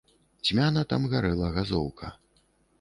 Цьмяна там гарэла газоўка.